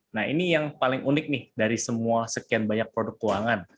nah ini yang paling unik nih dari semua sekian banyak produk keuangan